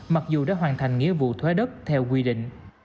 mặc dù đã hoàn thành nghĩa vụ thuế đất theo quy định